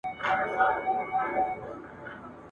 چي څارنه به يې د ناترسو نينځكانو يا هیجړاګانو